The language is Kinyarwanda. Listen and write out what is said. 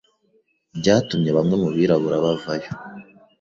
byatumye bamwe mu birabura bavayo